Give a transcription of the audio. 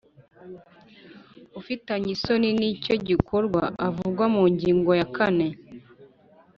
Ufitanye isano n icyo gikorwa uvugwa mu ngigo ya kane